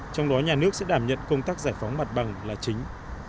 trong đó nhà nước sẽ đảm nhận công tác giải phóng mặt bằng là chính